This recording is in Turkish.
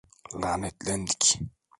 Lanetlendik!